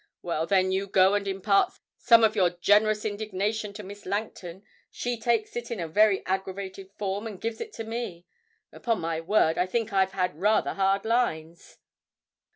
Well, then you go and impart some of your generous indignation to Miss Langton; she takes it in a very aggravated form, and gives it to me. Upon my word, I think I've had rather hard lines!'